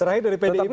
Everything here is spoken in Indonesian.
terakhir dari pdip